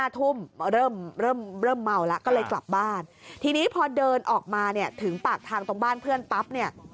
เริ่มเริ่มเมาแล้วก็เลยกลับบ้านทีนี้พอเดินออกมาเนี่ยถึงปากทางตรงบ้านเพื่อนปั๊บเนี่ย